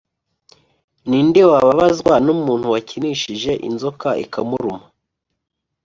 Ni nde wababazwa n’umuntu wakinishije inzoka ikamuruma,